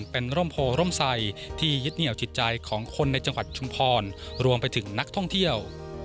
เป็นร่มโพร่มใสที่ยึดเหนียวจิตใจของคนในจังหวัดชุมพรรวมไปถึงนักท่องเที่ยว